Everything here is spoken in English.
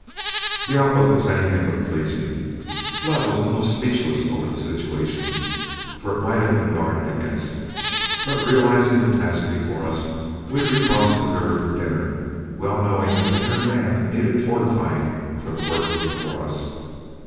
The outlook was anything but pleasing. Flood was almost speechless over the situation, for it might have been guarded against. But realizing the task before us, we recrossed the river for dinner, well knowing the inner man needed fortifying for the work before us.